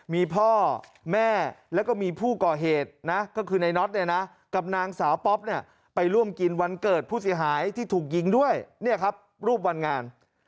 ที่ถูกยิงด้วยเนี่ยครับรูปวันงาน